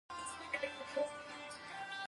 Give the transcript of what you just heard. سیلاني ځایونه د افغانستان د بڼوالۍ یوه برخه ده.